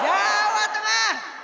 jawa tengah siap